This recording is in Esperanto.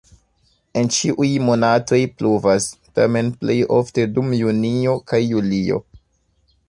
En ĉiuj monatoj pluvas, tamen plej ofte dum junio kaj julio.